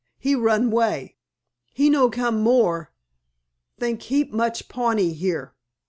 He run 'way. He no come more. Think heap much Pawnee here."